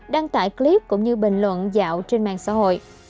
đăng tải clip cũng như bình luận dạo trên mạng xã hội